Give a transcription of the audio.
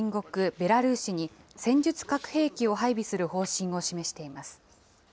ベラルーシに、戦術核兵器を配備する方針を示しています。